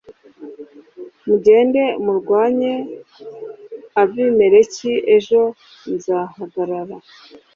mugende murwanye Abamaleki ejo nzahagarara